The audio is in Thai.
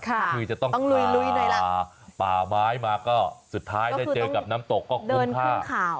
คือจะต้องกาป่าไม้มาก็สุดท้ายได้เจอกับน้ำตกก็คุ้มค่า